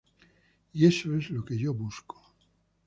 Y eso es lo que yo busco".